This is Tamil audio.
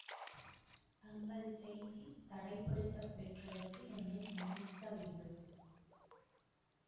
தங்கள் செய்தி தடைப்படுத்தப் பெற்றதற்கு என்னை மன்னிக்கவேண்டும்.